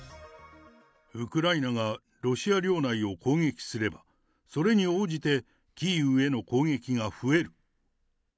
ウクライナがロシア領内を攻撃すれば、それに応じてキーウへの攻撃が増える。